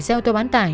xe ô tô bán tải